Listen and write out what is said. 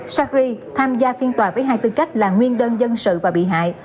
shari tham gia phiên tòa với hai tư cách là nguyên đơn dân sự và bị hại